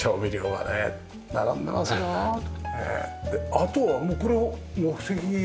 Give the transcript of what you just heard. あとはもうこれは目的の。